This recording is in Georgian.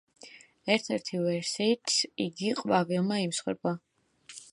ერთი-ერთი ვერსიით იგი ყვავილმა იმსხვერპლა.